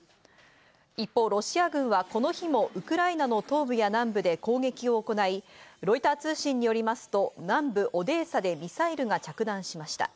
一方、ロシア軍はこの日もウクライナの東部や南部で攻撃を行い、ロイター通信によりますと南部オデーサでミサイルが着弾しました。